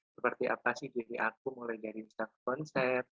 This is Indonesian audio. seperti apa sih diri aku mulai dari instag konsep